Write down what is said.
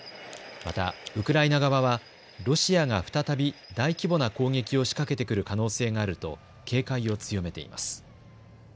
またウクライナ側はロシアが再び大規模な攻撃を仕掛けてくる可能性があると警戒を強めています。